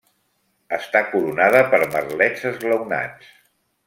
Està coronada per merlets esglaonats.